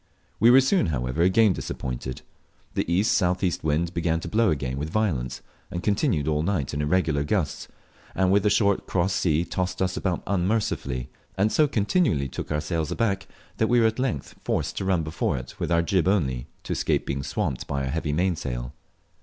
We were soon, however, again disappointed. The E.S.E. wind began to blow again with violence, and continued all night in irregular gusts, and with a short cross sea tossed us about unmercifully, and so continually took our sails aback, that we were at length forced to run before it with our jib only, to escape being swamped by our heavy mainsail.